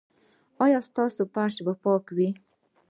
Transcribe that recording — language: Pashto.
ایا ستاسو فرش به پاک وي؟